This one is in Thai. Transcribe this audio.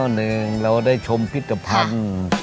หนึ่งเราได้ชมพิธภัณฑ์